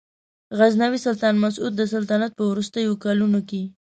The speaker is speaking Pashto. غزنوي سلطان مسعود د سلطنت په وروستیو کلونو کې.